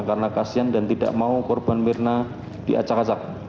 karena kasian dan tidak mau korban pina diacak acak